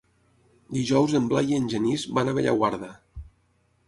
Dijous en Blai i en Genís van a Bellaguarda.